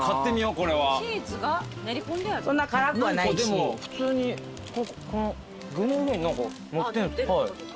でも普通にこの具の上に何かのって。